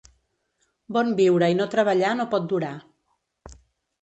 Bon viure i no treballar no pot durar.